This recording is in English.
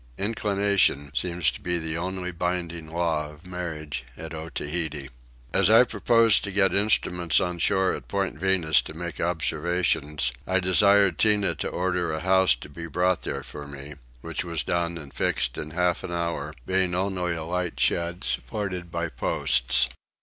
Inclination seems to be the only binding law of marriage at Otaheite. As I purposed to get instruments on shore at Point Venus to make observations I desired Tinah to order a house to be brought there for me, which was done and fixed in half an hour, being only a light shed supported by posts.